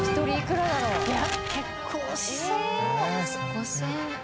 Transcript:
５０００。